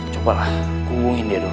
coba lah kubungin dia dulu